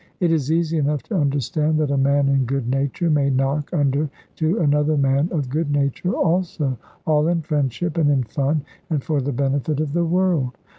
It is easy enough to understand that a man, in good nature, may knock under to another man of good nature also; all in friendship and in fun, and for the benefit of the world.